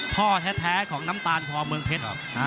พ่อแท้ของน้ำตาลพอเมืองเพชร